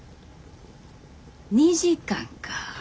２時間か。